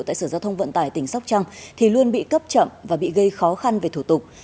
tại sở giao thông vận tải tỉnh sóc trăng thì luôn bị cấp chậm và bị gây khó khăn về thủ tục